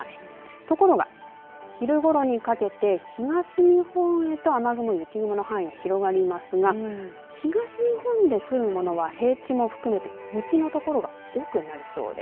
ところが昼ごろにかけて東日本へと雨雲、雪雲の範囲が広がりますが東日本で降るものは平地も含めて雪の所が多くなりそうです。